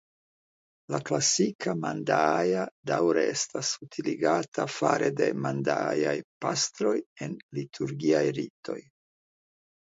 La klasika mandaaja daŭre estas utiligita fare de mandajaj pastroj en liturgiaj ritoj.